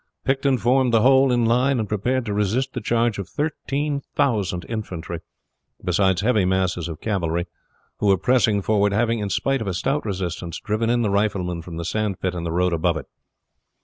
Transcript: Picton formed the whole in line, and prepared to resist the charge of thirteen thousand infantry, beside heavy masses of cavalry, who were pressing forward, having in spite of a stout resistance driven in the riflemen from the sandpit and the road above it.